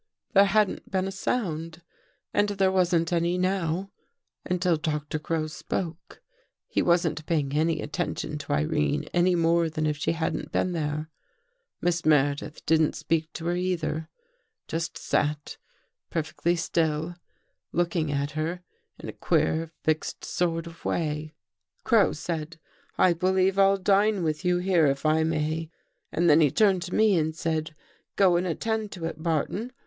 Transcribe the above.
There hadn't been a sound and there wasn't any now, until Doctor Crow spoke. He wasn't paying any attention to Irene any more than if she hadn't been there. Miss I Meredith didn't speak to her either — just sat per I fectly still, looking at her in a queer, fixed sort of [ way. " Crow said: ' I believe I'll dine with you here, if I may.' And then he turned to me and said: ' Go and attend to it, Barton.